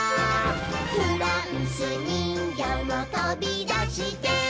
「フランスにんぎょうもとびだして」